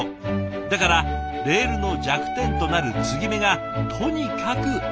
だからレールの弱点となる継ぎ目がとにかく多い。